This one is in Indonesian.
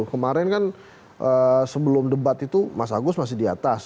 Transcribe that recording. kemarin kan sebelum debat itu mas agus masih di atas